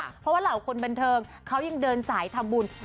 เพราะว่าเหล่าคนบันเทิงเขายังเดินสายทำบุญ